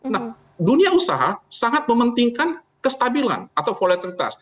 nah dunia usaha sangat mementingkan kestabilan atau volatilitas